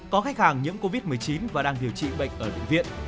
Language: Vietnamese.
có khách hàng nhiễm covid một mươi chín và đang điều trị bệnh ở bệnh viện